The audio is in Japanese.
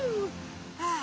ああ